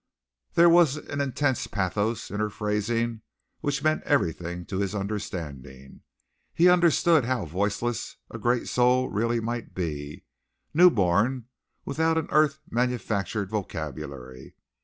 There was an intense pathos in her phrasing which meant everything to his understanding. He understood how voiceless a great soul really might be, new born without an earth manufactured vocabulary.